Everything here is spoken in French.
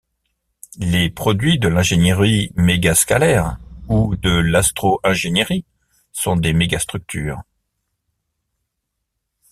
Les produits de l’ingénierie mégascalaire ou de l’astro-ingénierie sont des mégastructures.